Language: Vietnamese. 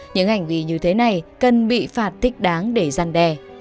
những hành vi như thế này cần bị phạt thích đáng để giăn đè